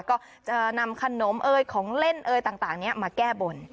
ก็จะนำขนมเอ่ยของเล่นเอยต่างนี้มาแก้บน